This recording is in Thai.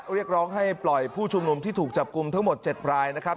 เรียกร้องให้ปล่อยผู้ชุมนุมที่ถูกจับกลุ่มทั้งหมด๗รายนะครับ